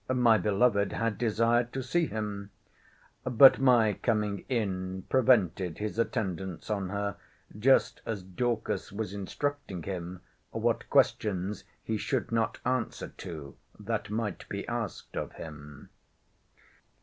My beloved had desired to see him. But my coming in prevented his attendance on her, just as Dorcas was instructing him what questions he should not answer to, that might be asked of him.